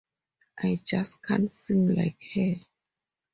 I just can't sing it like her.